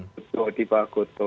ketua di bagoto